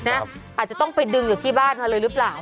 อาจจะต้องไปดึงอยู่ที่บ้านมาเลยหรือเปล่า